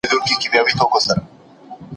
قصاص د ژوند بقا ده.